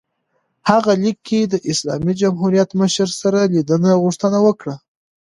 هغه لیک کې د اسلامي جمهوریت مشر سره لیدنې غوښتنه وکړه.